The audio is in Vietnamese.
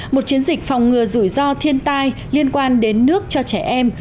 một chiến dịch phòng ngừa rủi ro thiên tai liên quan đến nước cho trẻ em